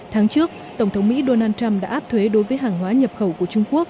tháng trước tổng thống mỹ donald trump đã áp thuế đối với hàng hóa nhập khẩu của trung quốc